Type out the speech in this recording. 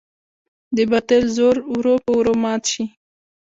د باطل زور ورو په ورو مات شي.